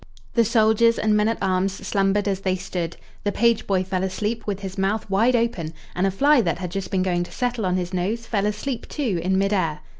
The soldiers and men at arms slumbered as they stood. The page boy fell asleep writh his mouth wide open, and a fly that had just been going to settle on his nose fell asleep too in mid air.